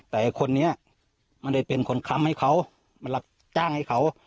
แต่คนนี้มันได้เป็นคนค้ำให้เขามันรับจ้างให้เขา